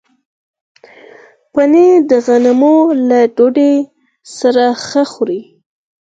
پنېر د غنمو له ډوډۍ سره ښه خوري.